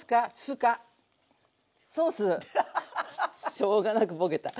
しょうがなくボケた。